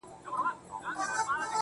د سرو شرابو د خُمونو د غوغا لوري~